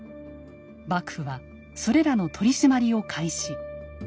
幕府はそれらの取締りを開始。